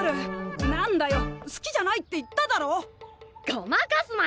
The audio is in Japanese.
ごまかすな！